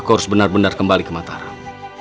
kau harus benar benar kembali ke mataram